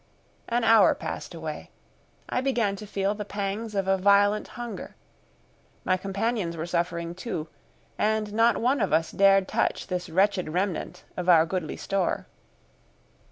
An hour passed away. I began to feel the pangs of a violent hunger. My companions were suffering too, and not one of us dared touch this wretched remnant of our goodly store.